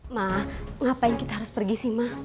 ma ngapain kita harus pergi sih ma